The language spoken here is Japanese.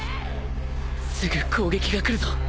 すぐ攻撃が来るぞ